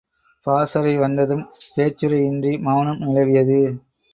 பாசறை வந்ததும் பேச்சுரை இன்றி மவுனம் நிலவியது.